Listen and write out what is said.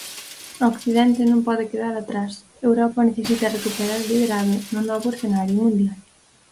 Occidente non pode quedar atrás, Europa necesita recuperar o liderado no novo escenario mundial.